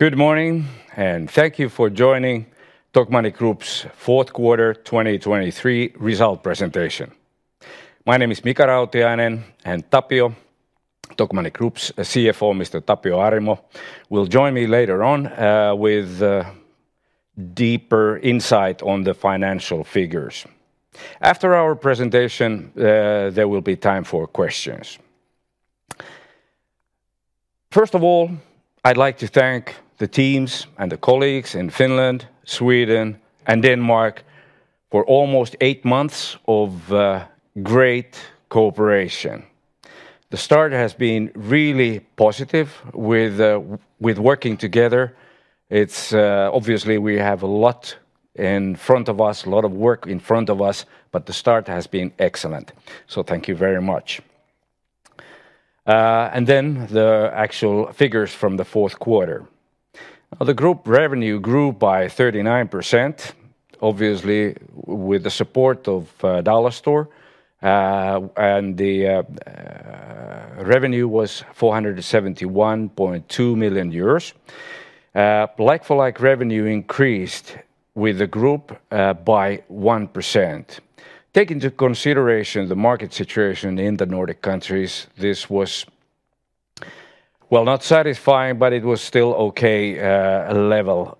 Good morning, and thank you for joining Tokmanni Group's Fourth Quarter 2023 Result Presentation. My name is Mika Rautiainen, and Tapio, Tokmanni Group's CFO Mr. Tapio Arimo, will join me later on with deeper insight on the financial figures. After our presentation, there will be time for questions. First of all, I'd like to thank the teams and the colleagues in Finland, Sweden, and Denmark for almost eight months of great cooperation. The start has been really positive with working together. Obviously, we have a lot in front of us, a lot of work in front of us, but the start has been excellent. So thank you very much. Then the actual figures from the fourth quarter. The group revenue grew by 39%, obviously with the support of Dollarstore, and the revenue was 471.2 million euros. Like-for-like revenue increased with the group by 1%. Taking into consideration the market situation in the Nordic countries, this was, well, not satisfying, but it was still okay level,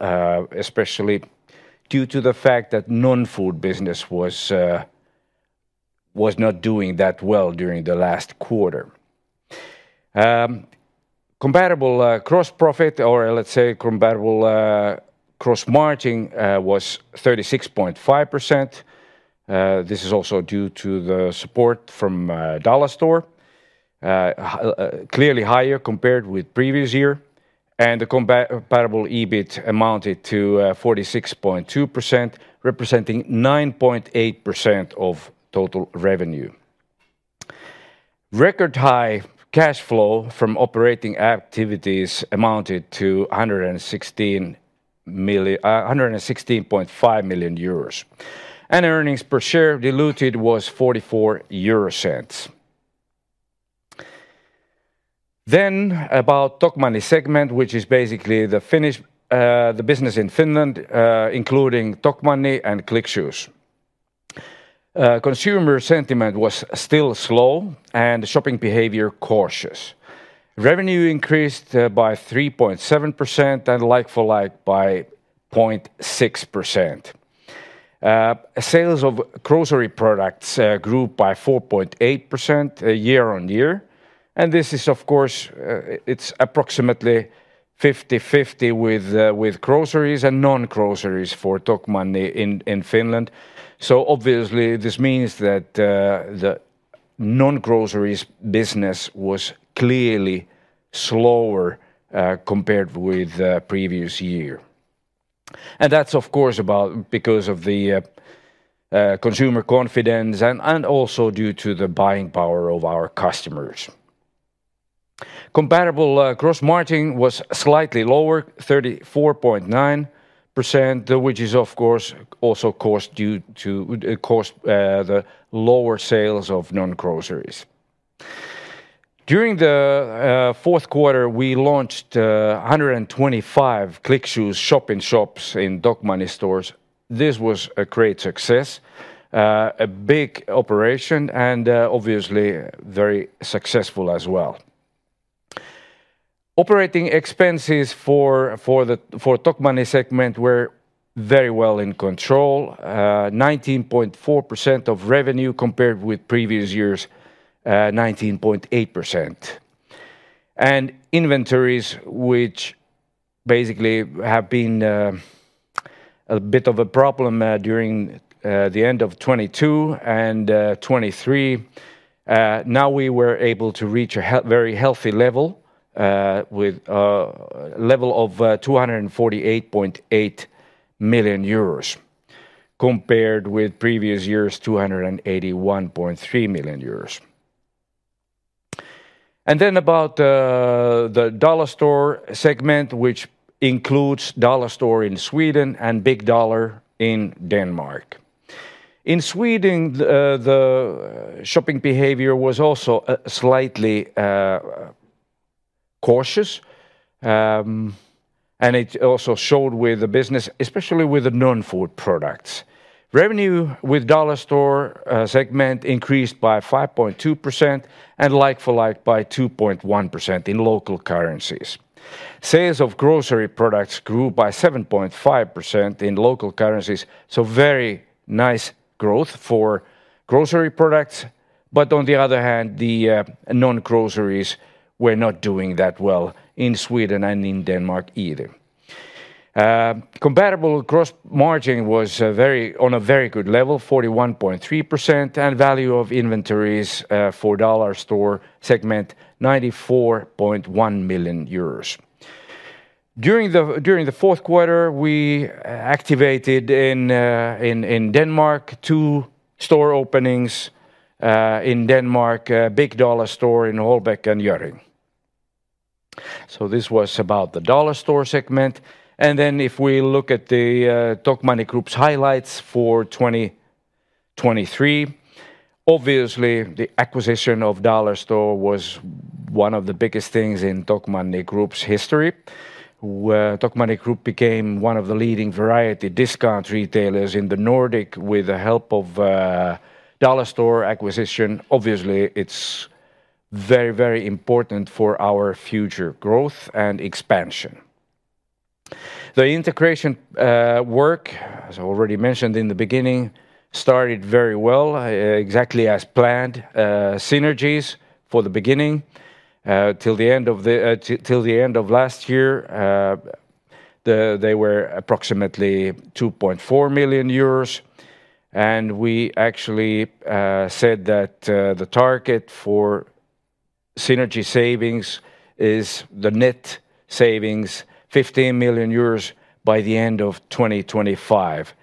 especially due to the fact that non-food business was not doing that well during the last quarter. Comparable gross profit, or let's say comparable gross margin, was 36.5%. This is also due to the support from Dollarstore, clearly higher compared with previous year. The comparable EBIT amounted to 46.2 million EUR, representing 9.8% of total revenue. Record high cash flow from operating activities amounted to 116.5 million euros. Earnings per share diluted was 0.44. About Tokmanni segment, which is basically the business in Finland, including Tokmanni and Click Shoes. Consumer sentiment was still slow and shopping behavior cautious. Revenue increased by 3.7% and like-for-like by 0.6%. Sales of grocery products grew by 4.8% year-on-year. This is, of course, it's approximately 50/50 with groceries and non-groceries for Tokmanni in Finland. So obviously, this means that the non-groceries business was clearly slower compared with the previous year. And that's, of course, because of the consumer confidence and also due to the buying power of our customers. Comparable gross margin was slightly lower, 34.9%, which is, of course, also caused due to the lower sales of non-groceries. During the fourth quarter, we launched 125 Click Shoes shop-in-shops in Tokmanni stores. This was a great success, a big operation, and obviously very successful as well. Operating expenses for Tokmanni segment were very well in control, 19.4% of revenue compared with previous years, 19.8%. Inventories, which basically have been a bit of a problem during the end of 2022 and 2023, now we were able to reach a very healthy level with a level of 248.8 million euros compared with previous years, 281.3 million euros. Then about the Dollarstore segment, which includes Dollarstore in Sweden and Big Dollar in Denmark. In Sweden, the shopping behavior was also slightly cautious, and it also showed with the business, especially with the non-food products. Revenue with Dollarstore segment increased by 5.2% and like-for-like by 2.1% in local currencies. Sales of grocery products grew by 7.5% in local currencies, so very nice growth for grocery products. But on the other hand, the non-groceries were not doing that well in Sweden and in Denmark either. Comparable gross margin was on a very good level, 41.3%, and value of inventories for Dollarstore segment, 94.1 million euros. During the fourth quarter, we activated in Denmark two store openings. In Denmark, Big Dollar stores in Holbæk and Hjørring. So this was about the Dollarstore segment. And then if we look at the Tokmanni Group's highlights for 2023, obviously the acquisition of Dollarstore was one of the biggest things in Tokmanni Group's history. Tokmanni Group became one of the leading variety discount retailers in the Nordic with the help of Dollarstore acquisition. Obviously, it's very, very important for our future growth and expansion. The integration work, as I already mentioned in the beginning, started very well, exactly as planned. Synergies for the beginning. Till the end of last year, they were approximately 2.4 million euros. We actually said that the target for synergy savings is the net savings, 15 million euros by the end of 2025.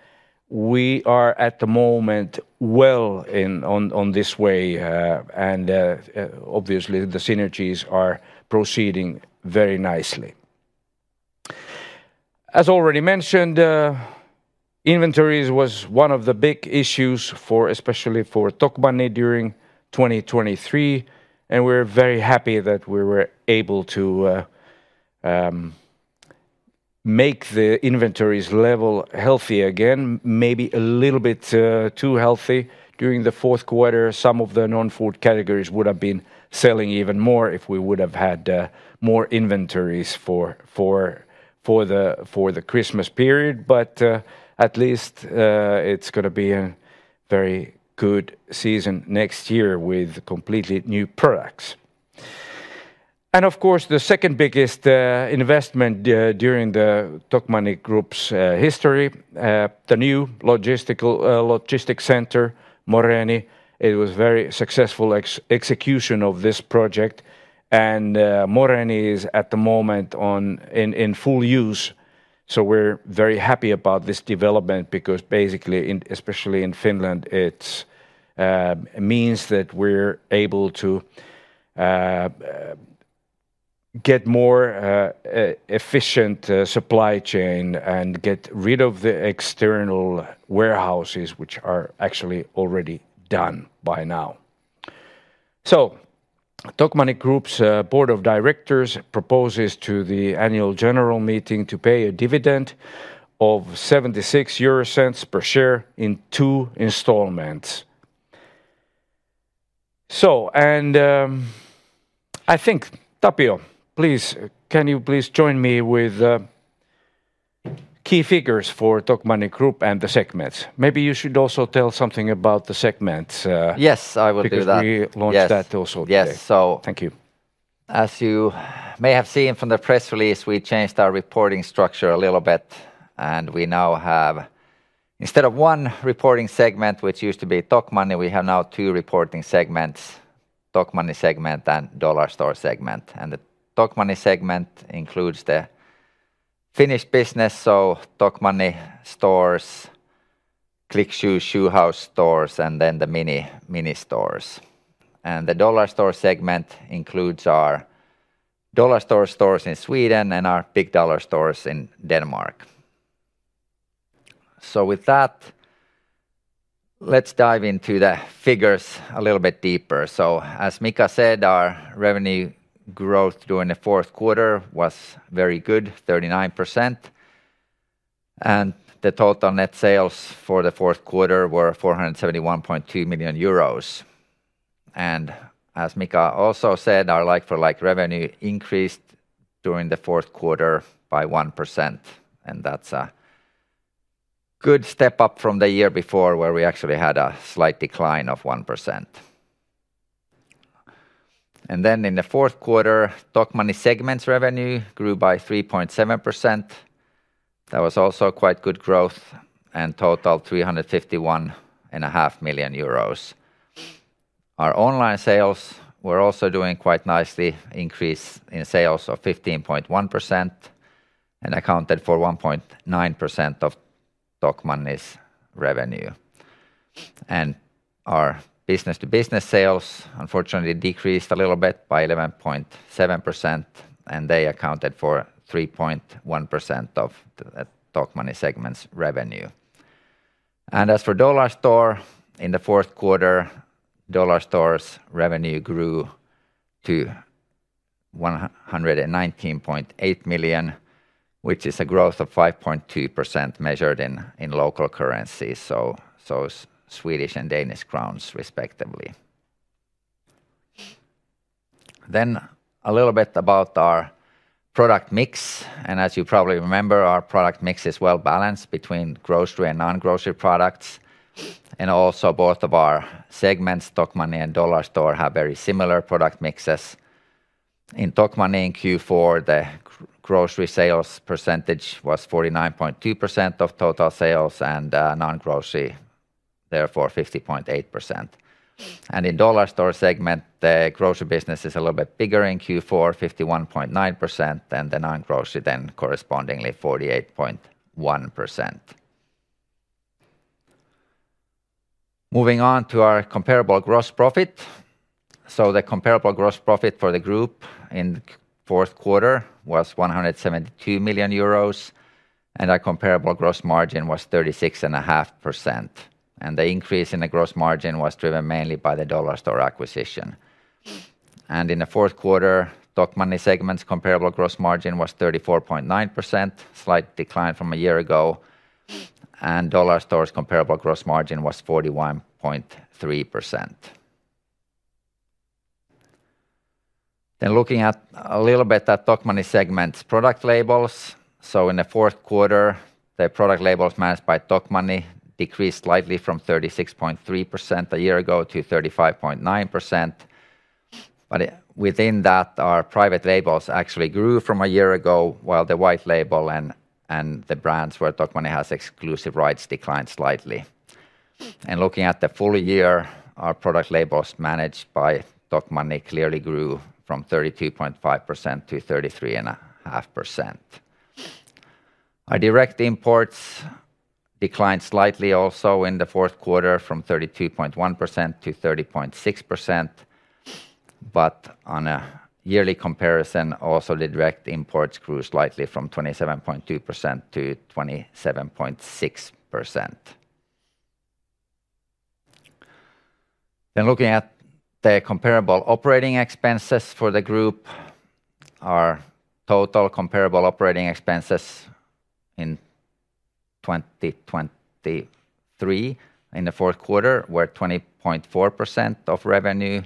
We are at the moment well on this way, and obviously the synergies are proceeding very nicely. As already mentioned, inventories was one of the big issues especially for Tokmanni during 2023, and we're very happy that we were able to make the inventories level healthy again, maybe a little bit too healthy. During the fourth quarter, some of the non-food categories would have been selling even more if we would have had more inventories for the Christmas period. At least it's going to be a very good season next year with completely new products. Of course, the second biggest investment during the Tokmanni Group's history, the new logistics center, Moreeni. It was a very successful execution of this project, and Moreeni is at the moment in full use. So we're very happy about this development because basically, especially in Finland, it means that we're able to get a more efficient supply chain and get rid of the external warehouses, which are actually already done by now. So Tokmanni Group's board of directors proposes to the annual general meeting to pay a dividend of 0.76 per share in two installments. So, and I think, Tapio, please, can you please join me with key figures for Tokmanni Group and the segments? Maybe you should also tell something about the segments. Yes, I will do that. Because we launched that also today. Yes, so. Thank you. As you may have seen from the press release, we changed our reporting structure a little bit, and we now have, instead of one reporting segment, which used to be Tokmanni, we have now two reporting segments, Tokmanni segment and Dollarstore segment. The Tokmanni segment includes the Finnish business, so Tokmanni stores, Click Shoes, Shoe House stores, and then the Miny stores. The Dollarstore segment includes our Dollarstore stores in Sweden and our Big Dollar stores in Denmark. With that, let's dive into the figures a little bit deeper. As Mika said, our revenue growth during the fourth quarter was very good, 39%. The total net sales for the fourth quarter were 471.2 million euros. As Mika also said, our like-for-like revenue increased during the fourth quarter by 1%. That's a good step up from the year before where we actually had a slight decline of 1%. In the fourth quarter, Tokmanni segment's revenue grew by 3.7%. That was also quite good growth and totaled 351.5 million euros. Our online sales were also doing quite nicely, increased in sales of 15.1% and accounted for 1.9% of Tokmanni's revenue. Our business-to-business sales, unfortunately, decreased a little bit by 11.7%, and they accounted for 3.1% of Tokmanni segment's revenue. As for Dollarstore, in the fourth quarter, Dollarstore's revenue grew to 119.8 million, which is a growth of 5.2% measured in local currencies, so Swedish and Danish crowns, respectively. A little bit about our product mix. As you probably remember, our product mix is well balanced between grocery and non-grocery products. Both of our segments, Tokmanni and Dollarstore, have very similar product mixes. In Tokmanni in Q4, the grocery sales percentage was 49.2% of total sales and non-grocery, therefore 50.8%. In Dollarstore segment, the grocery business is a little bit bigger in Q4, 51.9%, and the non-grocery then correspondingly 48.1%. Moving on to our comparable gross profit. The comparable gross profit for the group in the fourth quarter was 172 million euros, and our comparable gross margin was 36.5%. The increase in the gross margin was driven mainly by the Dollarstore acquisition. In the fourth quarter, Tokmanni segment's comparable gross margin was 34.9%, slight decline from a year ago. Dollarstore's comparable gross margin was 41.3%. Looking at a little bit at Tokmanni segment's product labels. In the fourth quarter, the product labels managed by Tokmanni decreased slightly from 36.3% a year ago to 35.9%. Within that, our private labels actually grew from a year ago, while the white label and the brands where Tokmanni has exclusive rights declined slightly. Looking at the full year, our product labels managed by Tokmanni clearly grew from 32.5%-33.5%. Our direct imports declined slightly also in the fourth quarter from 32.1%-30.6%. On a yearly comparison, also the direct imports grew slightly from 27.2%-27.6%. Looking at the comparable operating expenses for the group, our total comparable operating expenses in 2023 in the fourth quarter were 20.4% of revenue,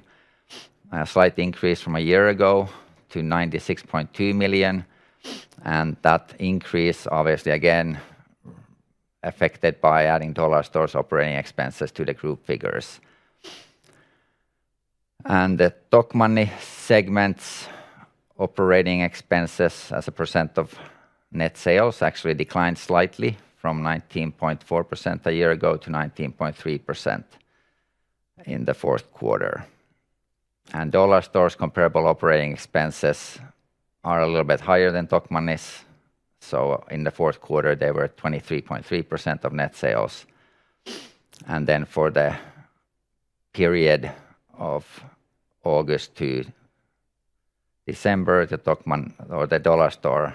a slight increase from a year ago to 96.2 million. That increase, obviously again, affected by adding Dollarstore's operating expenses to the group figures. The Tokmanni segment's operating expenses as a percent of net sales actually declined slightly from 19.4% a year ago to 19.3% in the fourth quarter. Dollarstore's comparable operating expenses are a little bit higher than Tokmanni's. So in the fourth quarter, they were 23.3% of net sales. And then for the period of August to December, the Dollarstore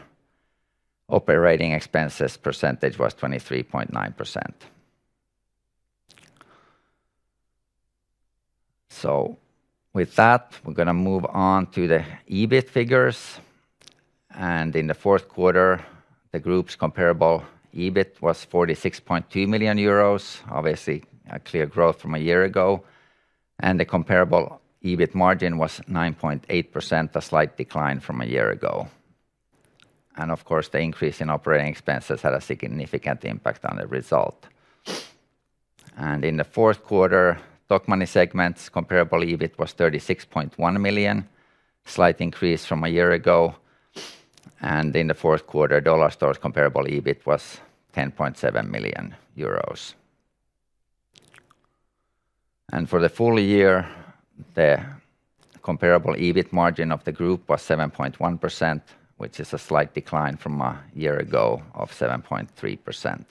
operating expenses percentage was 23.9%. So with that, we're going to move on to the EBIT figures. And in the fourth quarter, the group's comparable EBIT was 46.2 million euros, obviously a clear growth from a year ago. And the comparable EBIT margin was 9.8%, a slight decline from a year ago. And of course, the increase in operating expenses had a significant impact on the result. And in the fourth quarter, Tokmanni segment's comparable EBIT was 36.1 million, slight increase from a year ago. In the fourth quarter, Dollarstore's comparable EBIT was 10.7 million euros. For the full year, the comparable EBIT margin of the group was 7.1%, which is a slight decline from a year ago of 7.3%.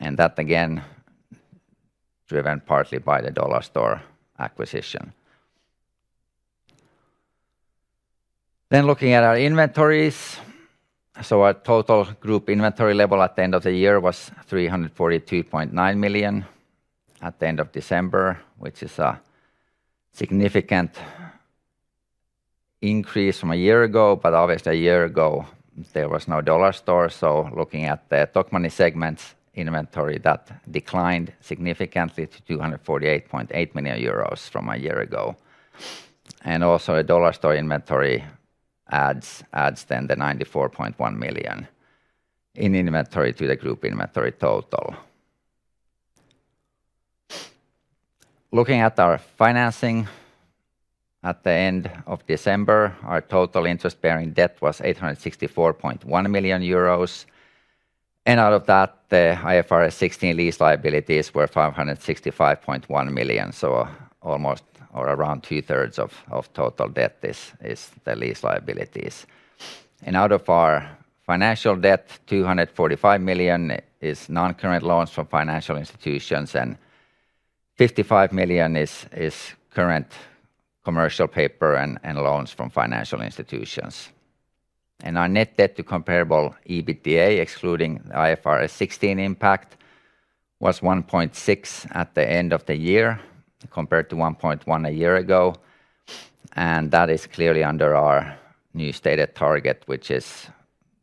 And that again, driven partly by the Dollarstore acquisition. Looking at our inventories. Our total group inventory level at the end of the year was 342.9 million at the end of December, which is a significant increase from a year ago. But obviously, a year ago, there was no Dollarstore. Looking at the Tokmanni segment's inventory, that declined significantly to 248.8 million euros from a year ago. And also the Dollarstore inventory adds then the 94.1 million in inventory to the group inventory total. Looking at our financing at the end of December, our total interest-bearing debt was 864.1 million euros. Out of that, the IFRS 16 lease liabilities were 565.1 million. So almost or around two-thirds of total debt is the lease liabilities. Out of our financial debt, 245 million is non-current loans from financial institutions and 55 million is current commercial paper and loans from financial institutions. Our net debt to comparable EBITDA, excluding the IFRS 16 impact, was 1.6% at the end of the year compared to 1.1% a year ago. That is clearly under our new stated target, which is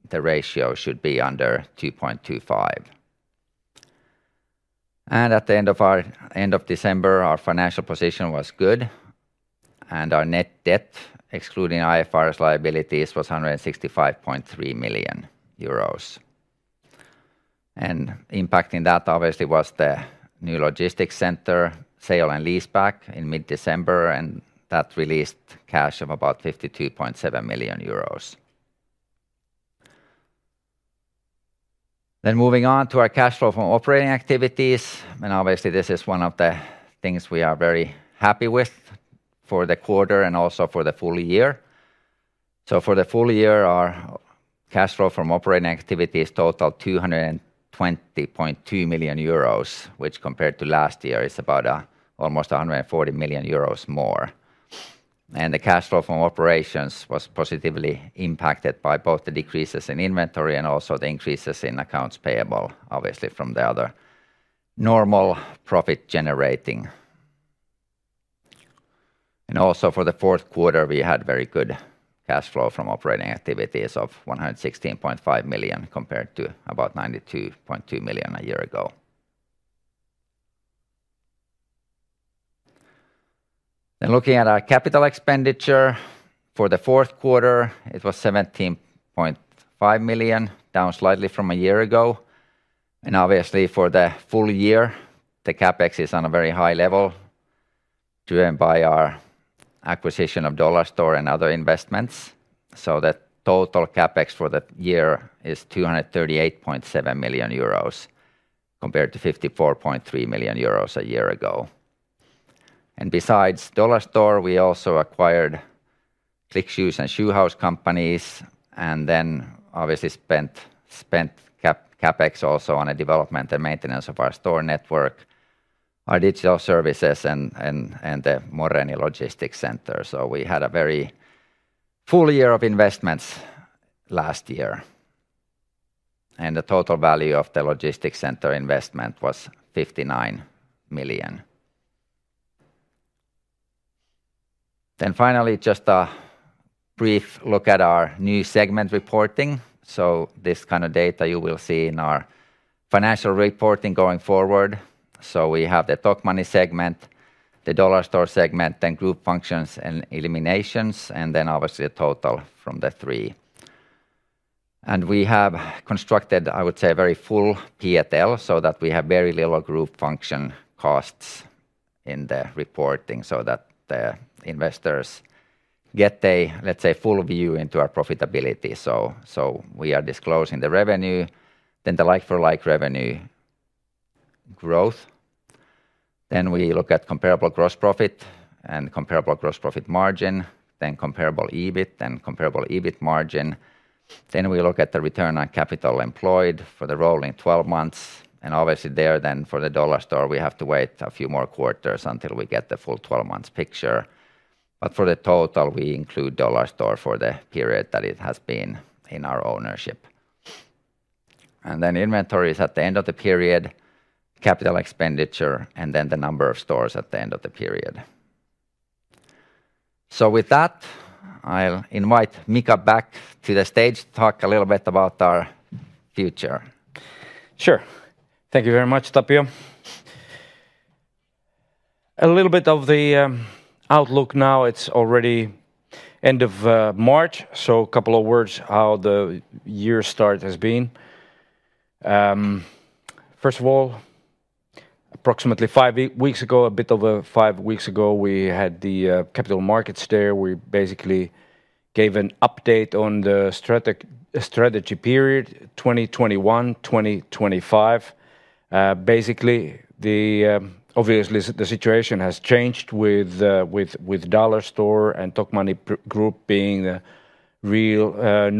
the ratio should be under 2.25%. At the end of December, our financial position was good. Our net debt, excluding IFRS liabilities, was 165.3 million euros. Impacting that, obviously, was the new logistics center, sale and leaseback, in mid-December, and that released cash of about 52.7 million euros. Then moving on to our cash flow from operating activities. Obviously, this is one of the things we are very happy with for the quarter and also for the full year. For the full year, our cash flow from operating activities totaled 220.2 million euros, which compared to last year is about almost 140 million euros more. The cash flow from operations was positively impacted by both the decreases in inventory and also the increases in accounts payable, obviously, from the other normal profit generating. Also for the fourth quarter, we had very good cash flow from operating activities of 116.5 million compared to about 92.2 million a year ago. Looking at our capital expenditure for the fourth quarter, it was 17.5 million, down slightly from a year ago. Obviously, for the full year, the CapEx is on a very high level driven by our acquisition of Dollarstore and other investments. The total CapEx for that year is 238.7 million euros compared to 54.3 million euros a year ago. Besides Dollarstore, we also acquired Click Shoes and Shoe House companies and then obviously spent CapEx also on the development and maintenance of our store network, our digital services, and the Moreeni logistics center. We had a very full year of investments last year. The total value of the logistics center investment was 59 million. Finally, just a brief look at our new segment reporting. This kind of data you will see in our financial reporting going forward. We have the Tokmanni segment, the Dollarstore segment, then group functions and eliminations, and then obviously the total from the three. We have constructed, I would say, a very full P&L so that we have very little group function costs in the reporting so that the investors get a, let's say, full view into our profitability. So we are disclosing the revenue, then the like-for-like revenue growth. Then we look at comparable gross profit and comparable gross profit margin, then comparable EBIT and comparable EBIT margin. Then we look at the return on capital employed for the rolling 12 months. And obviously there then for the Dollarstore, we have to wait a few more quarters until we get the full 12-month picture. But for the total, we include Dollarstore for the period that it has been in our ownership. And then inventories at the end of the period, capital expenditure, and then the number of stores at the end of the period. With that, I'll invite Mika back to the stage to talk a little bit about our future. Sure. Thank you very much, Tapio. A little bit of the outlook now. It's already end of March. So a couple of words how the year's start has been. First of all, approximately five weeks ago, a bit over five weeks ago, we had the Capital Markets Day. We basically gave an update on the strategy period 2021-2025. Basically, obviously, the situation has changed with Dollarstore and Tokmanni Group being the real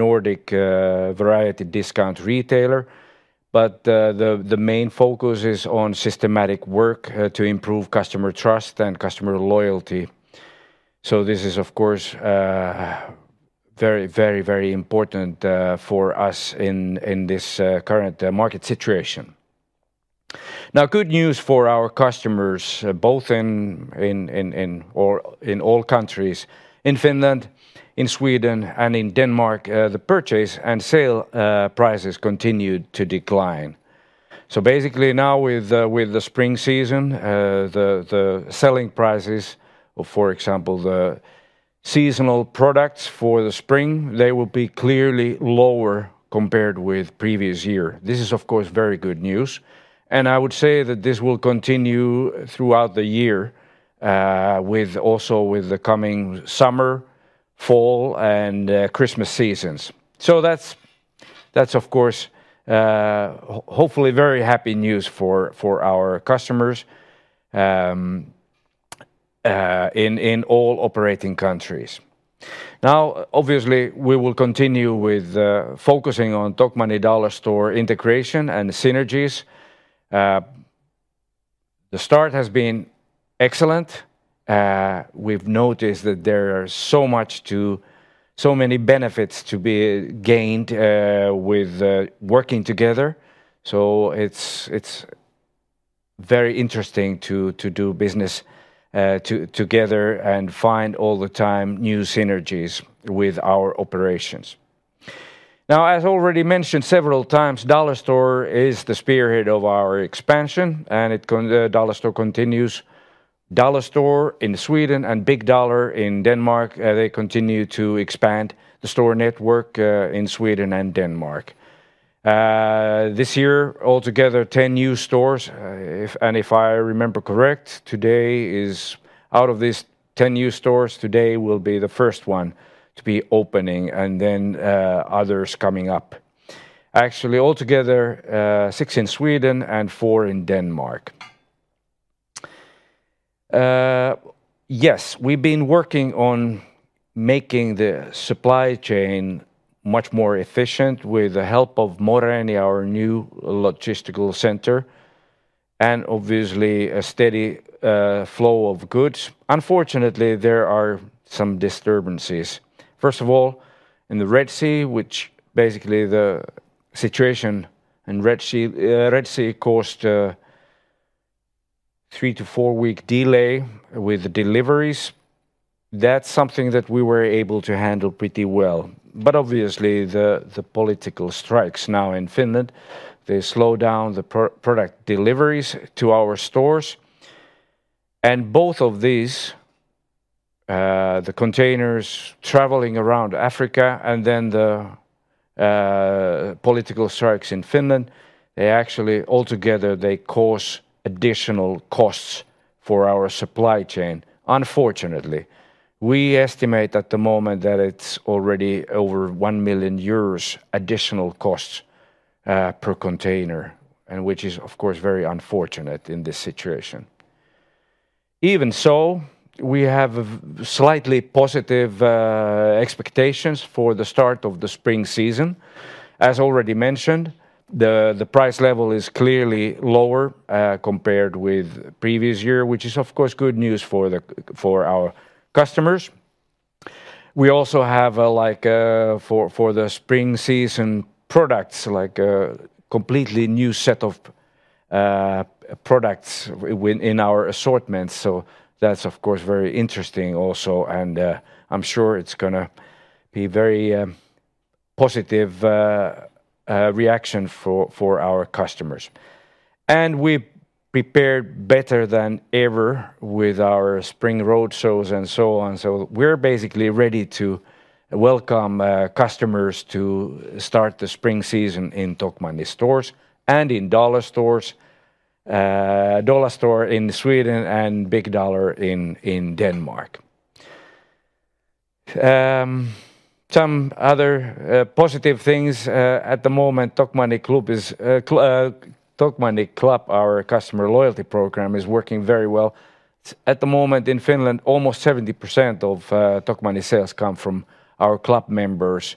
Nordic variety discount retailer. But the main focus is on systematic work to improve customer trust and customer loyalty. So this is, of course, very, very, very important for us in this current market situation. Now, good news for our customers, both in all countries. In Finland, in Sweden, and in Denmark, the purchase and sale prices continued to decline. So basically now with the spring season, the selling prices of, for example, the seasonal products for the spring, they will be clearly lower compared with previous year. This is, of course, very good news. And I would say that this will continue throughout the year also with the coming summer, fall, and Christmas seasons. So that's, of course, hopefully very happy news for our customers in all operating countries. Now, obviously, we will continue with focusing on Tokmanni-Dollarstore integration and synergies. The start has been excellent. We've noticed that there are so many benefits to be gained with working together. So it's very interesting to do business together and find all the time new synergies with our operations. Now, as already mentioned several times, Dollarstore is the spirit of our expansion and Dollarstore continues. Dollarstore in Sweden and Big Dollar in Denmark, they continue to expand the store network in Sweden and Denmark. This year, altogether 10 new stores, and if I remember correct, today is out of these 10 new stores, today will be the first one to be opening and then others coming up. Actually, altogether six in Sweden and four in Denmark. Yes, we've been working on making the supply chain much more efficient with the help of Moreeni, our new logistical center, and obviously a steady flow of goods. Unfortunately, there are some disturbances. First of all, in the Red Sea, which basically the situation in Red Sea caused a three-four-week delay with deliveries. That's something that we were able to handle pretty well. But obviously, the political strikes now in Finland, they slow down the product deliveries to our stores. Both of these, the containers traveling around Africa and then the political strikes in Finland, they actually altogether cause additional costs for our supply chain, unfortunately. We estimate at the moment that it's already over 1 million euros additional costs per container, which is, of course, very unfortunate in this situation. Even so, we have slightly positive expectations for the start of the spring season. As already mentioned, the price level is clearly lower compared with previous year, which is, of course, good news for our customers. We also have, like for the spring season products, like a completely new set of products in our assortments. So that's, of course, very interesting also. And I'm sure it's going to be a very positive reaction for our customers. And we prepared better than ever with our spring roadshows and so on. So we're basically ready to welcome customers to start the spring season in Tokmanni stores and in Dollarstore stores, Dollarstore in Sweden and Big Dollar in Denmark. Some other positive things at the moment, Tokmanni Club, our customer loyalty program, is working very well. At the moment in Finland, almost 70% of Tokmanni sales come from our club members.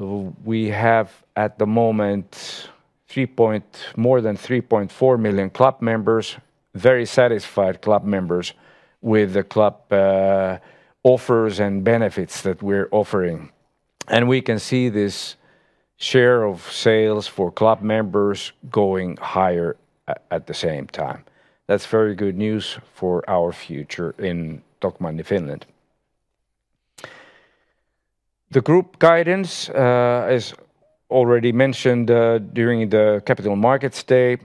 So we have at the moment more than 3.4 million club members, very satisfied club members with the club offers and benefits that we're offering. And we can see this share of sales for club members going higher at the same time. That's very good news for our future in Tokmanni, Finland. The group guidance, as already mentioned during the Capital Markets Day,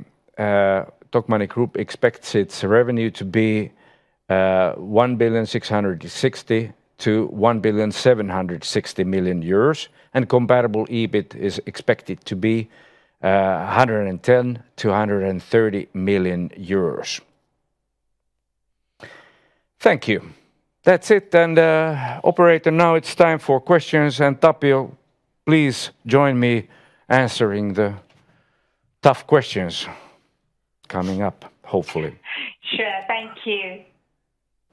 Tokmanni Group expects its revenue to be 1.66 billion-1.76 billion and comparable EBIT is expected to be 110 million-130 million euros. Thank you. That's it. And operator, now it's time for questions. And Tapio, please join me answering the tough questions coming up, hopefully. Sure. Thank you.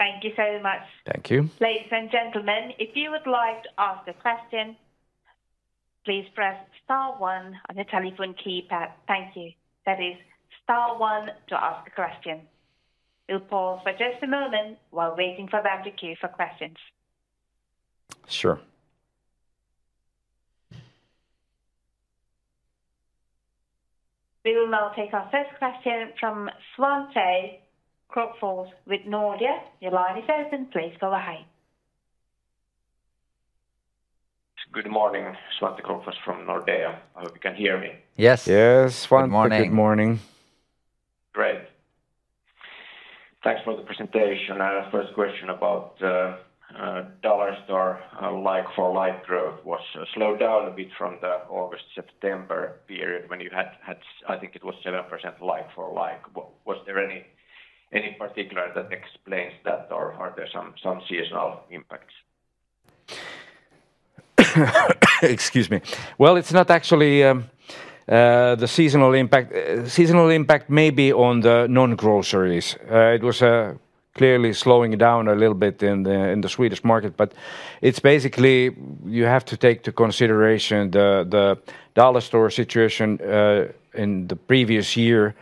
Thank you so much. Thank you. Ladies and gentlemen, if you would like to ask a question, please press star one on the telephone keypad. Thank you. That is star one to ask a question. We'll pause for just a moment while waiting for them to queue for questions. Sure. We will now take our first question from Svante Krokfors with Nordea. Your line is open. Please go ahead. Good morning, Svante Krokfors from Nordea. I hope you can hear me. Yes. Yes, Svante. Good morning. Good morning. Great. Thanks for the presentation. Our first question about Dollarstore like-for-like growth was slowed down a bit from the August-September period when you had, I think it was 7% like-for-like. Was there any particular that explains that or are there some seasonal impacts? Excuse me. Well, it's not actually the seasonal impact. Seasonal impact may be on the non-groceries. It was clearly slowing down a little bit in the Swedish market. But it's basically you have to take into consideration the Dollarstore situation in the previous year.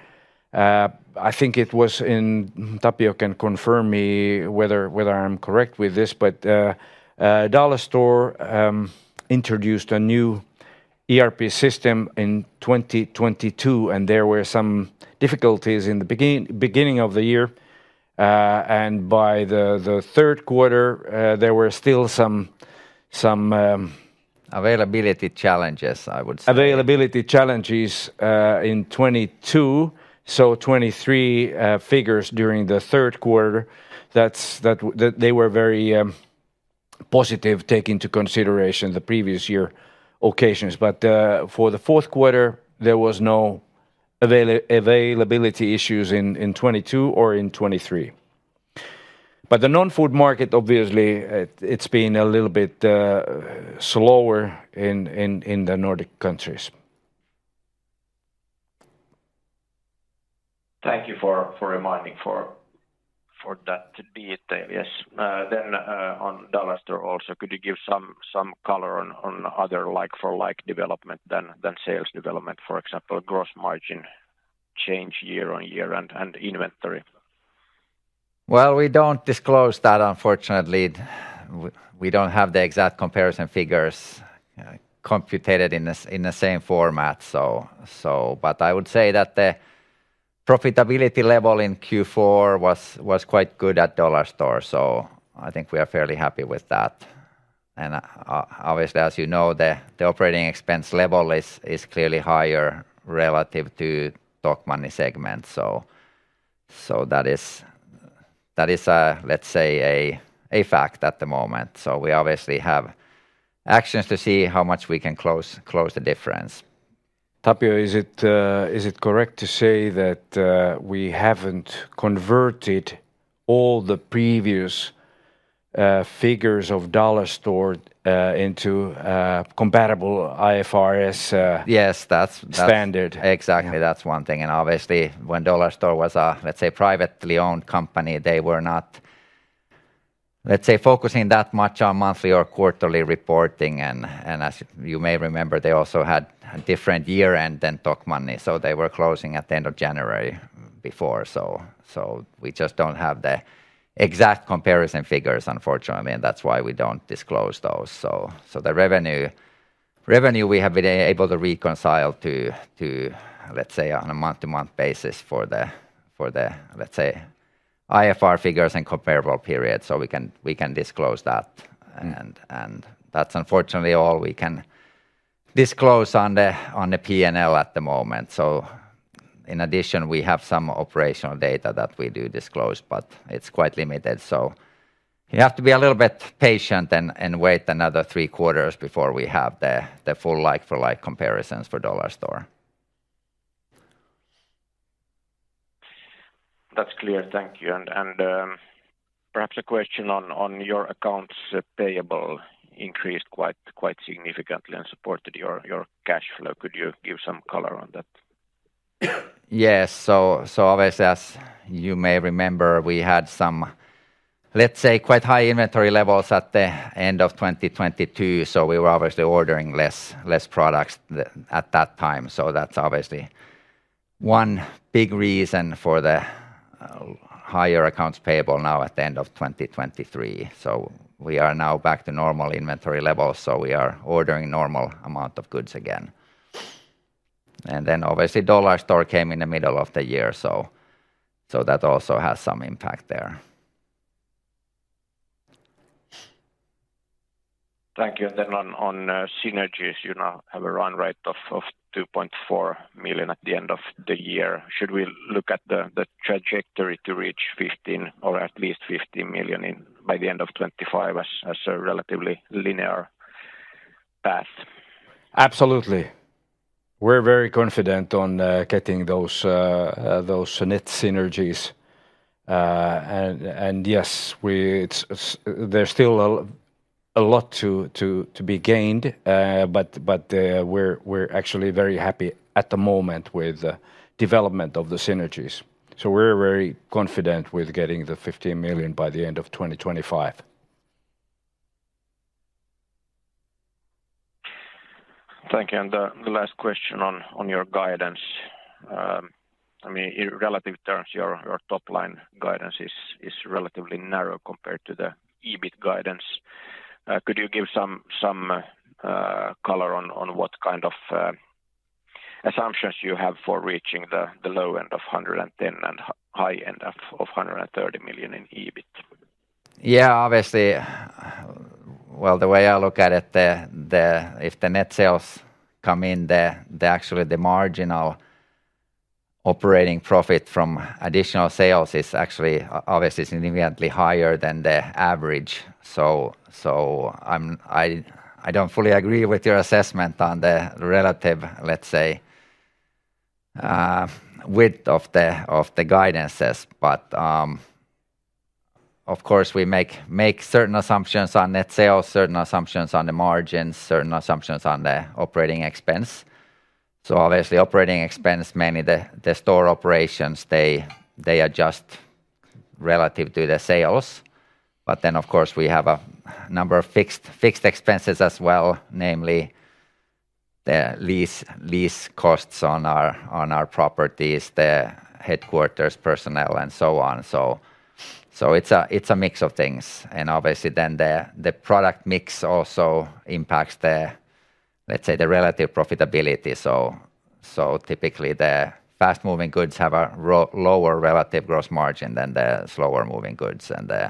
I think it was in, Tapio can confirm me whether I'm correct with this, but Dollarstore introduced a new ERP system in 2022 and there were some difficulties in the beginning of the year. And by the third quarter, there were still some. Availability challenges, I would say. Availability challenges in 2022. So 2023 figures during the third quarter, they were very positive taking into consideration the previous year occasions. But for the fourth quarter, there was no availability issues in 2022 or in 2023. But the non-food market, obviously, it's been a little bit slower in the Nordic countries. Thank you for reminding for that to be it, yes. Then on Dollarstore also, could you give some color on other like-for-like development than sales development, for example, gross margin change year-on-year and inventory? Well, we don't disclose that, unfortunately. We don't have the exact comparison figures computed in the same format. But I would say that the profitability level in Q4 was quite good at Dollarstore. So I think we are fairly happy with that. And obviously, as you know, the operating expense level is clearly higher relative to Tokmanni segment. So that is, let's say, a fact at the moment. So we obviously have actions to see how much we can close the difference. Tapio, is it correct to say that we haven't converted all the previous figures of Dollarstore into compatible IFRS standard? Yes, that's exactly one thing. And obviously, when Dollarstore was a, let's say, privately owned company, they were not, let's say, focusing that much on monthly or quarterly reporting. And as you may remember, they also had a different year-end than Tokmanni. So they were closing at the end of January before. So we just don't have the exact comparison figures, unfortunately. And that's why we don't disclose those. So the revenue we have been able to reconcile to, let's say, on a month-to-month basis for the, let's say, IFRS figures and comparable period. So we can disclose that. And that's unfortunately all we can disclose on the P&L at the moment. So in addition, we have some operational data that we do disclose, but it's quite limited. You have to be a little bit patient and wait another three quarters before we have the full like-for-like comparisons for Dollarstore. That's clear. Thank you. Perhaps a question on your accounts payable increased quite significantly and supported your cash flow. Could you give some color on that? Yes. So obviously, as you may remember, we had some, let's say, quite high inventory levels at the end of 2022. So we were obviously ordering less products at that time. So that's obviously one big reason for the higher accounts payable now at the end of 2023. So we are now back to normal inventory levels. So we are ordering normal amount of goods again. And then obviously, Dollarstore came in the middle of the year. So that also has some impact there. Thank you. And then on synergies, you now have a run rate of 2.4 million at the end of the year. Should we look at the trajectory to reach 15 million or at least 15 million by the end of 25 as a relatively linear path? Absolutely. We're very confident on getting those net synergies. And yes, there's still a lot to be gained, but we're actually very happy at the moment with the development of the synergies. So we're very confident with getting the 15 million by the end of 2025. Thank you. The last question on your guidance. I mean, in relative terms, your top line guidance is relatively narrow compared to the EBIT guidance. Could you give some color on what kind of assumptions you have for reaching the low end of 110 million and high end of 130 million in EBIT? Yeah, obviously, well, the way I look at it, if the net sales come in, actually the marginal operating profit from additional sales is actually obviously significantly higher than the average. So I don't fully agree with your assessment on the relative, let's say, width of the guidances. But of course, we make certain assumptions on net sales, certain assumptions on the margins, certain assumptions on the operating expense. So obviously, operating expense, mainly the store operations, they adjust relative to the sales. But then, of course, we have a number of fixed expenses as well, namely the lease costs on our properties, the headquarters personnel, and so on. So it's a mix of things. And obviously, then the product mix also impacts the, let's say, the relative profitability. So typically, the fast-moving goods have a lower relative gross margin than the slower-moving goods. The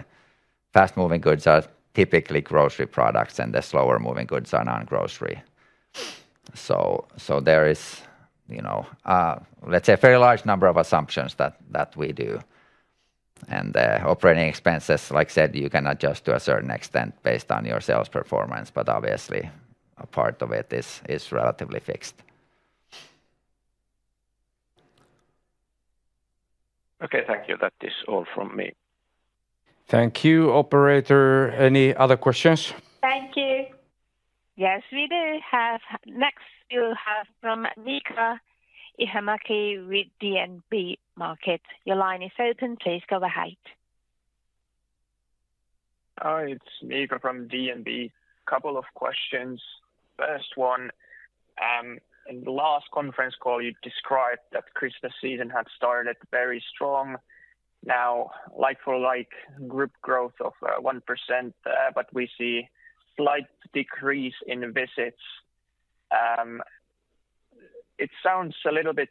fast-moving goods are typically grocery products and the slower-moving goods are non-grocery. There is, let's say, a very large number of assumptions that we do. The operating expenses, like said, you can adjust to a certain extent based on your sales performance. Obviously, a part of it is relatively fixed. Okay. Thank you. That is all from me. Thank you, operator. Any other questions? Thank you. Yes, we do have. Next, we'll have from Miika Ihamäki with DNB Markets. Your line is open. Please go ahead. Hi, it's Miika from DNB. Couple of questions. First one, in the last conference call, you described that Christmas season had started very strong. Now, like-for-like group growth of 1%, but we see a slight decrease in visits. It sounds a little bit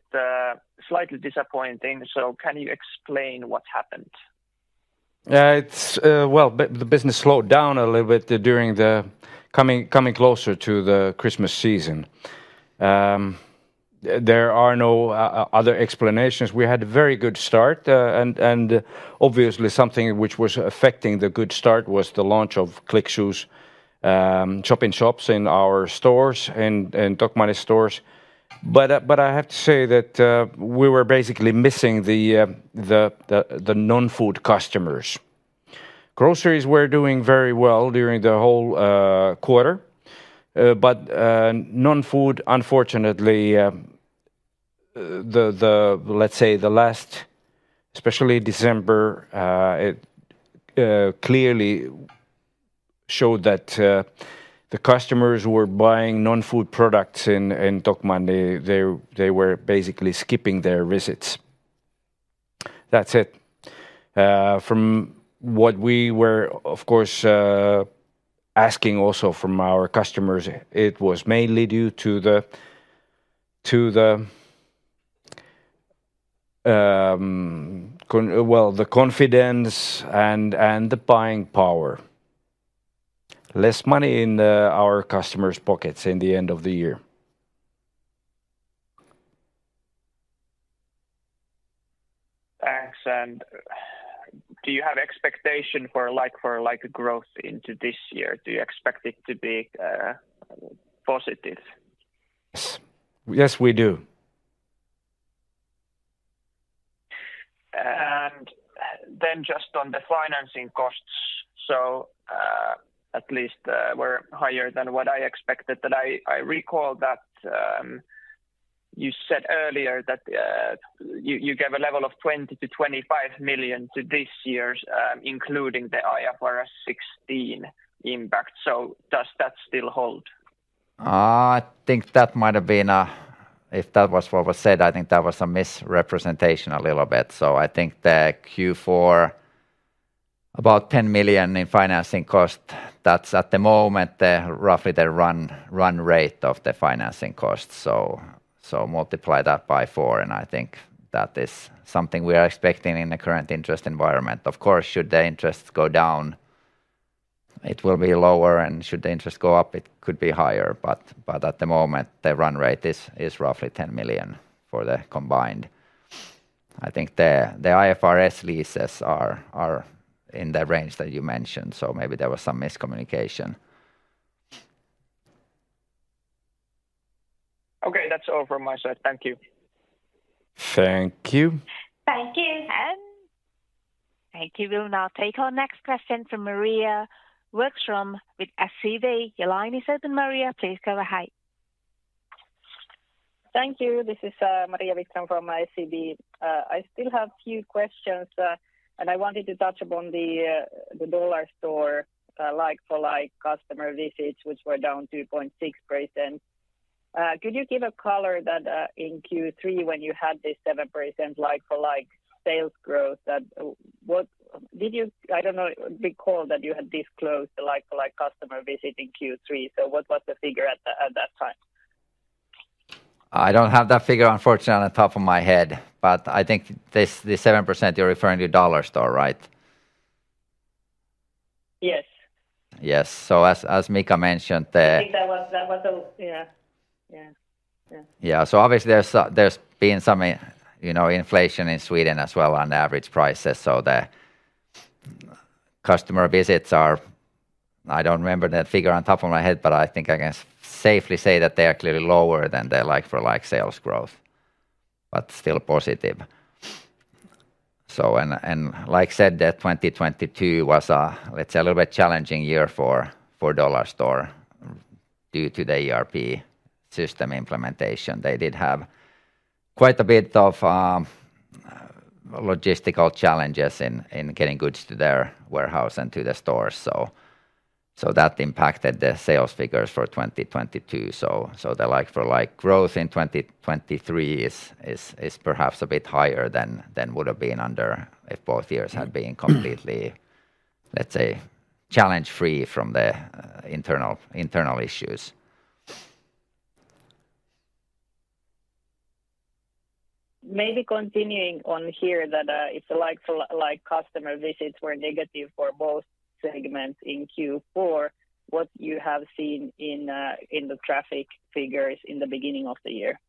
slightly disappointing. So can you explain what happened? Well, the business slowed down a little bit coming closer to the Christmas season. There are no other explanations. We had a very good start. And obviously, something which was affecting the good start was the launch of Click Shoes shop-in-shops in our stores and Tokmanni stores. But I have to say that we were basically missing the non-food customers. Groceries were doing very well during the whole quarter. But non-food, unfortunately, let's say the last, especially December, it clearly showed that the customers who were buying non-food products in Tokmanni, they were basically skipping their visits. That's it. From what we were, of course, asking also from our customers, it was mainly due to the, well, the confidence and the buying power. Less money in our customers' pockets in the end of the year. Thanks. Do you have expectation for like growth into this year? Do you expect it to be positive? Yes, we do. Then just on the financing costs, so at least were higher than what I expected. I recall that you said earlier that you gave a level of 20 million-25 million to this year, including the IFRS 16 impact. Does that still hold? I think that might have been a, if that was what was said, I think that was a misrepresentation a little bit. So I think the Q4, about 10 million in financing cost, that's at the moment roughly the run rate of the financing costs. So multiply that by four. And I think that is something we are expecting in the current interest environment. Of course, should the interest go down, it will be lower. And should the interest go up, it could be higher. But at the moment, the run rate is roughly 10 million for the combined. I think the IFRS leases are in the range that you mentioned. So maybe there was some miscommunication. Okay. That's all from my side. Thank you. Thank you. Thank you. And thank you. We'll now take our next question from Maria Wikström with SEB. Your line is open, Maria. Please go ahead. Thank you. This is Maria Wikström from SEB. I still have a few questions. I wanted to touch upon the Dollarstore like-for-like customer visits, which were down 2.6%. Could you give a color that in Q3, when you had this 7% like-for-like sales growth, that did you, I don't know, recall that you had disclosed the like-for-like customer visit in Q3? So what was the figure at that time? I don't have that figure, unfortunately, on the top of my head. But I think the 7% you're referring to, Dollarstore, right? Yes. Yes. So as Mika mentioned. I think that was a, yeah. Yeah. Yeah. Yeah. So obviously, there's been some inflation in Sweden as well on the average prices. So the customer visits are, I don't remember that figure on top of my head, but I think I can safely say that they are clearly lower than the like-for-like sales growth, but still positive. So and like said, 2022 was, let's say, a little bit challenging year for Dollarstore due to the ERP system implementation. They did have quite a bit of logistical challenges in getting goods to their warehouse and to the stores. So that impacted the sales figures for 2022. So the like-for-like growth in 2023 is perhaps a bit higher than would have been under if both years had been completely, let's say, challenge-free from the internal issues. Maybe continuing on here that if the like-for-like customer visits were negative for both segments in Q4, what you have seen in the traffic figures in the beginning of the year?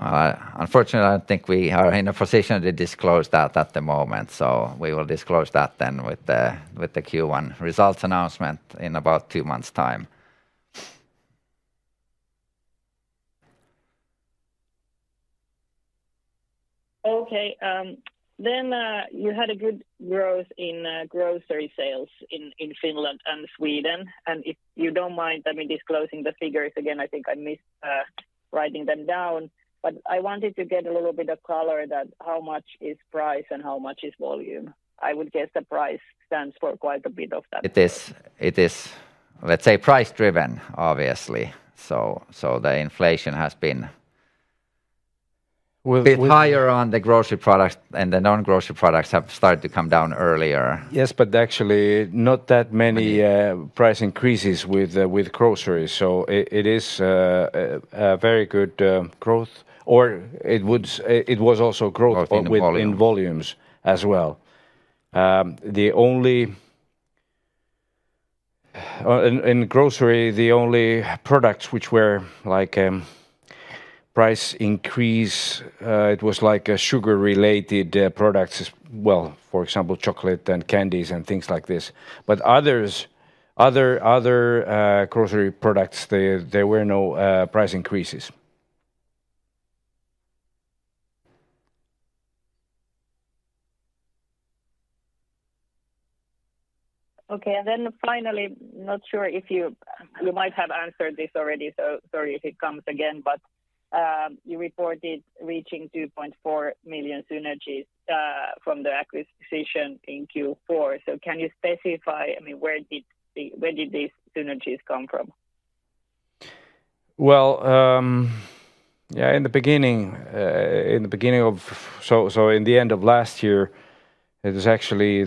Unfortunately, I don't think we are in a position to disclose that at the moment. We will disclose that then with the Q1 results announcement in about two month's time. Okay. Then you had a good growth in grocery sales in Finland and Sweden. And if you don't mind, I mean, disclosing the figures again, I think I missed writing them down. But I wanted to get a little bit of color that how much is price and how much is volume. I would guess the price stands for quite a bit of that. It is, let's say, price-driven, obviously. So the inflation has been a bit higher on the grocery products. And the non-grocery products have started to come down earlier. Yes, but actually, not that many price increases with groceries. So it is a very good growth, or it was also growth in volumes as well. In grocery, the only products which were like a price increase, it was like sugar-related products as well, for example, chocolate and candies and things like this. But other grocery products, there were no price increases. Okay. And then finally, not sure if you might have answered this already. So sorry if it comes again. But you reported reaching 2.4 million synergies from the acquisition in Q4. So can you specify, I mean, where did these synergies come from? Well, yeah, so in the end of last year, it was actually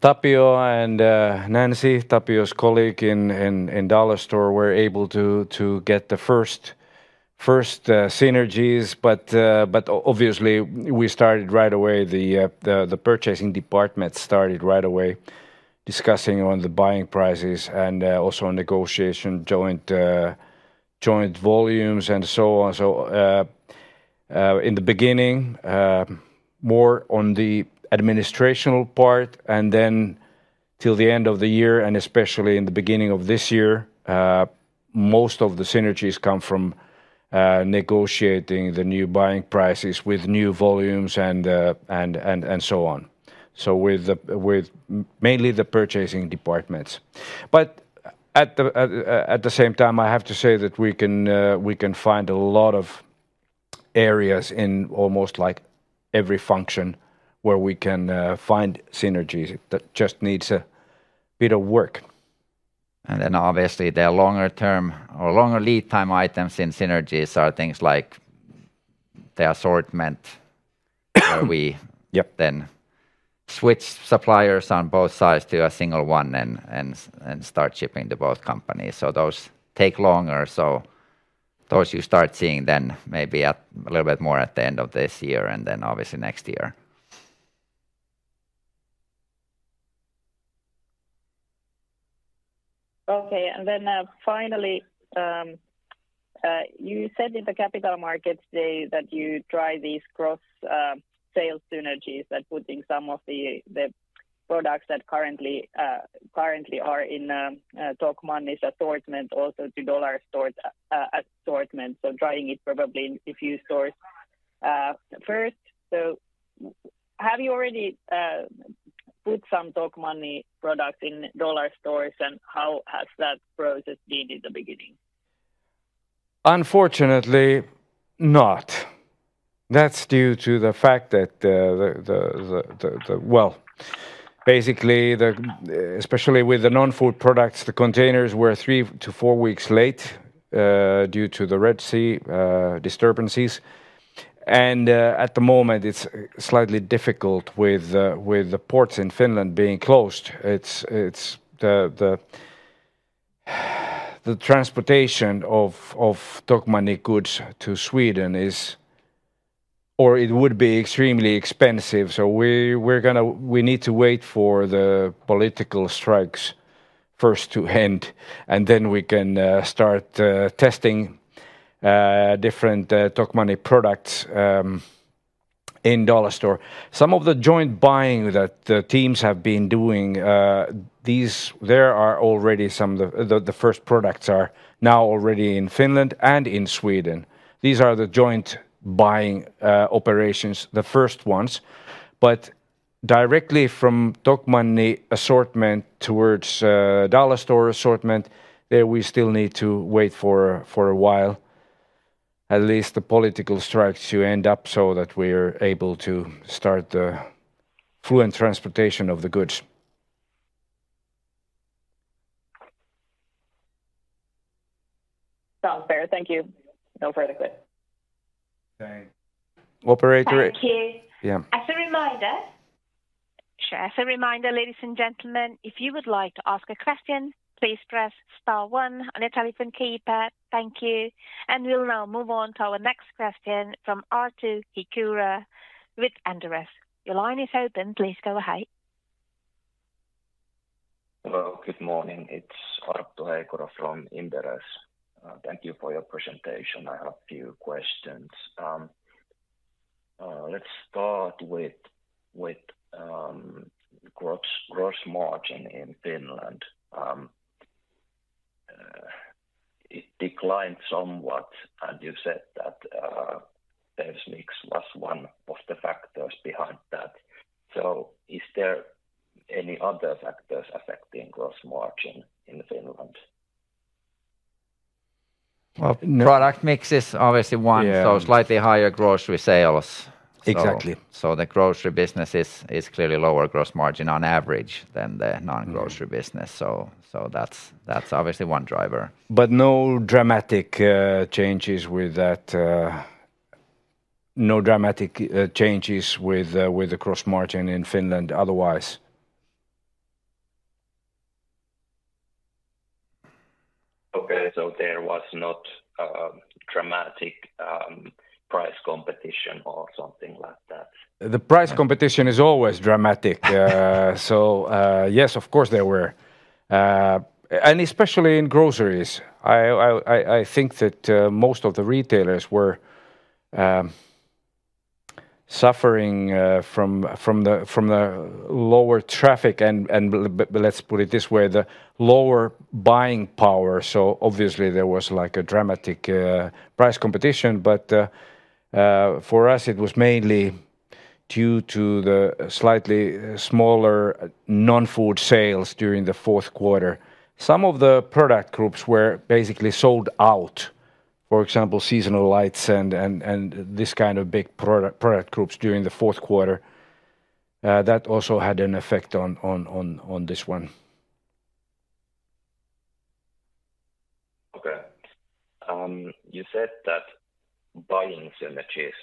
Tapio and Nancy, Tapio's colleague in Dollarstore, were able to get the first synergies. But obviously, we started right away, the purchasing department started right away discussing on the buying prices and also negotiation joint volumes and so on. So in the beginning, more on the administrational part. And then till the end of the year and especially in the beginning of this year, most of the synergies come from negotiating the new buying prices with new volumes and so on, so mainly the purchasing departments. But at the same time, I have to say that we can find a lot of areas in almost like every function where we can find synergies. It just needs a bit of work. Then obviously, there are longer-term or longer lead-time items. In synergies, are things like the assortment where we then switch suppliers on both sides to a single one and start shipping to both companies. Those take longer. Those you start seeing then maybe a little bit more at the end of this year and then obviously next year. Okay. Then finally, you said in the Capital Markets Day that you try these cross-sales synergies that put in some of the products that currently are in Tokmanni's assortment also to Dollarstore's assortment. So trying it probably in a few stores first. So have you already put some Tokmanni products in Dollarstores? And how has that process been in the beginning? Unfortunately, not. That's due to the fact that, well, basically, especially with the non-food products, the containers were three-four weeks late due to the Red Sea disturbances. And at the moment, it's slightly difficult with the ports in Finland being closed. The transportation of Tokmanni goods to Sweden is, or it would be extremely expensive. So we need to wait for the political strikes first to end. And then we can start testing different Tokmanni products in Dollarstore. Some of the joint buying that the teams have been doing, there are already some of the first products are now already in Finland and in Sweden. These are the joint buying operations, the first ones. But directly from Tokmanni assortment towards Dollarstore assortment, there we still need to wait for a while, at least the political strikes to end up so that we are able to start the fluent transportation of the goods. Sounds fair. Thank you. Go for it, Mika. Thanks. Operator. Thank you. As a reminder. Sure. As a reminder, ladies and gentlemen, if you would like to ask a question, please press star one on your telephone keypad. Thank you. We'll now move on to our next question from Arto Heikura with Inderes. Your line is open. Please go ahead. Hello. Good morning. It's Arto Heikura from Inderes. Thank you for your presentation. I have a few questions. Let's start with gross margin in Finland. It declined somewhat. You said that sales mix was one of the factors behind that. Is there any other factors affecting gross margin in Finland? Well, product mix is obviously one, so slightly higher grocery sales. So the grocery business is clearly lower gross margin on average than the non-grocery business. So that's obviously one driver. No dramatic changes with that, no dramatic changes with the gross margin in Finland otherwise. Okay. So there was not dramatic price competition or something like that? The price competition is always dramatic. So yes, of course, there were. And especially in groceries, I think that most of the retailers were suffering from the lower traffic and let's put it this way, the lower buying power. So obviously, there was like a dramatic price competition. But for us, it was mainly due to the slightly smaller non-food sales during the fourth quarter. Some of the product groups were basically sold out. For example, seasonal lights and this kind of big product groups during the fourth quarter, that also had an effect on this one. Okay. You said that buying synergies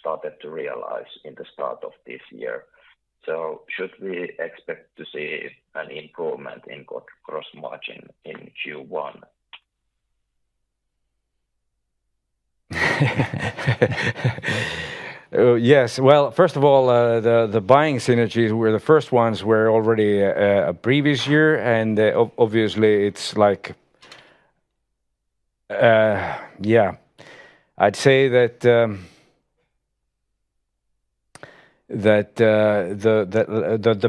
started to realize in the start of this year. So should we expect to see an improvement in gross margin in Q1? Yes. Well, first of all, the buying synergies were the first ones were already a previous year. And obviously, it's like, yeah, I'd say that the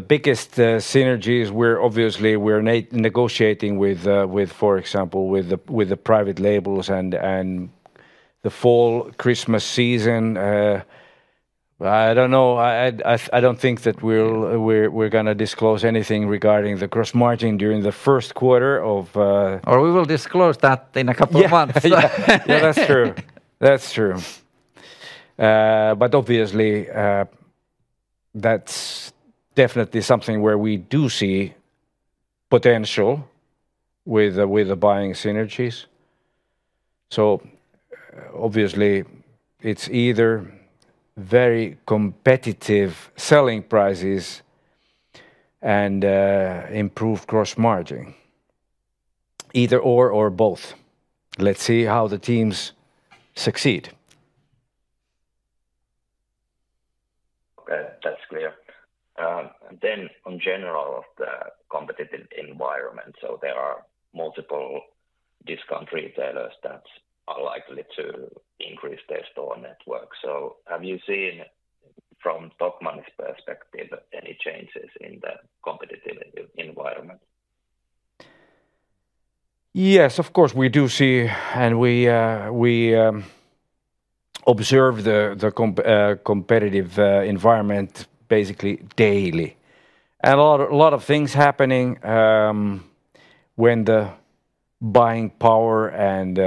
biggest synergies were obviously, we're negotiating with, for example, with the private labels and the fall Christmas season. I don't know. I don't think that we're going to disclose anything regarding the gross margin during the first quarter of. Or we will disclose that in a couple of months. Yeah. That's true. That's true. But obviously, that's definitely something where we do see potential with the buying synergies. So obviously, it's either very competitive selling prices and improved gross margin, either/or or both. Let's see how the teams succeed. Okay. That's clear. And then in general of the competitive environment, so there are multiple discount retailers that are likely to increase their store network. So have you seen from Tokmanni's perspective any changes in the competitive environment? Yes, of course, we do see and we observe the competitive environment basically daily. A lot of things happening when the buying power and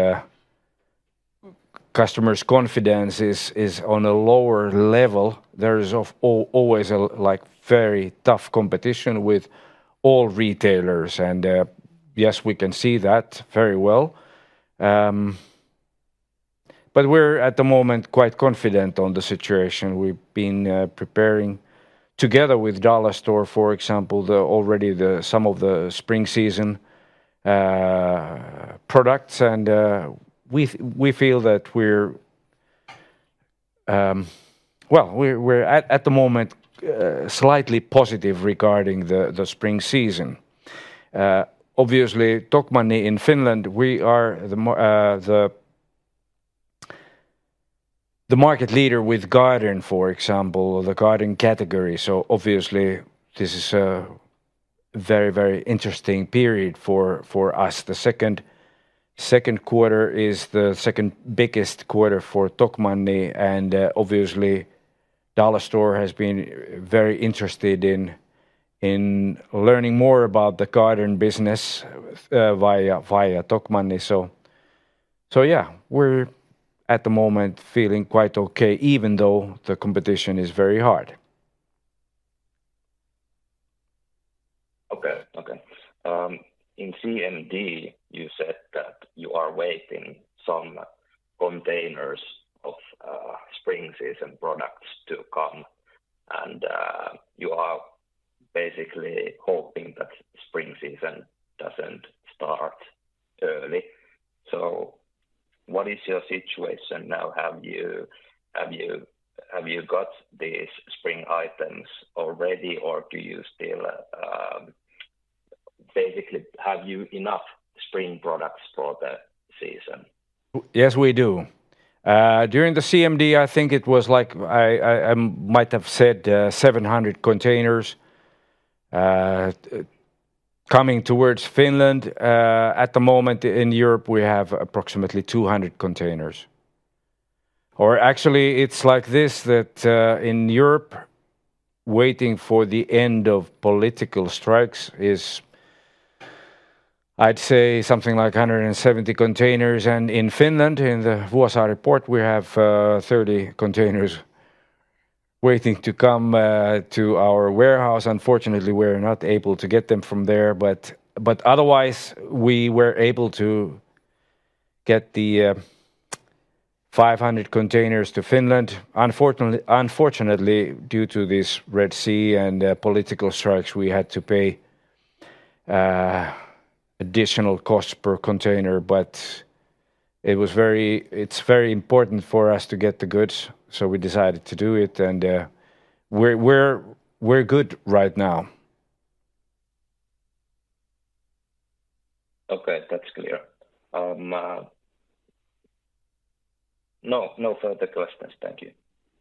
customers' confidence is on a lower level, there is always like very tough competition with all retailers. Yes, we can see that very well. But we're at the moment quite confident on the situation. We've been preparing together with Dollarstore, for example, already some of the spring season products. We feel that we're, well, we're at the moment slightly positive regarding the spring season. Obviously, Tokmanni in Finland, we are the market leader with Garden, for example, the Garden category. So obviously, this is a very, very interesting period for us. The second quarter is the second biggest quarter for Tokmanni. Obviously, Dollarstore has been very interested in learning more about the Garden business via Tokmanni. So yeah, we're at the moment feeling quite okay, even though the competition is very hard. Okay. Okay. In CMD, you said that you are waiting some containers of spring season products to come. And you are basically hoping that spring season doesn't start early. So what is your situation now? Have you got these spring items already, or do you still basically have you enough spring products for the season? Yes, we do. During the CMD, I think it was like, I might have said, 700 containers coming towards Finland. At the moment, in Europe, we have approximately 200 containers. Or actually, it's like this that in Europe, waiting for the end of political strikes is, I'd say, something like 170 containers. And in Finland, in the Vuosaari Harbour, we have 30 containers waiting to come to our warehouse. Unfortunately, we're not able to get them from there. But otherwise, we were able to get the 500 containers to Finland. Unfortunately, due to this Red Sea and political strikes, we had to pay additional costs per container. But it's very important for us to get the goods. So we decided to do it. And we're good right now. Okay. That's clear. No, no further questions. Thank you.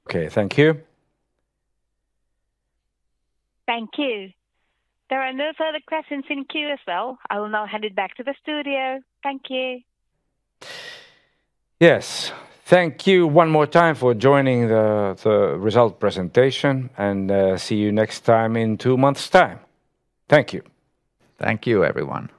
Okay. Thank you. Thank you. There are no further questions in queue as well. I will now hand it back to the studio. Thank you. Yes. Thank you one more time for joining the results presentation. See you next time in two month's time. Thank you. Thank you, everyone.